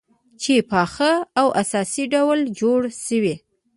چې په پاخه او اساسي ډول جوړه شوې،